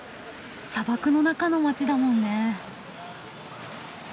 砂漠の中の街だもんね。